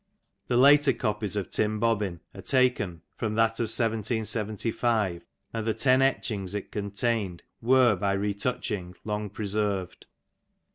The later copies of TVm Bobbin are taken from that of 1775, and the ten etchings it contained were by retouching long preserved.